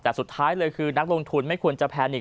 แต่สุดท้ายเลยคือนักลงทุนไม่ควรจะแพนิก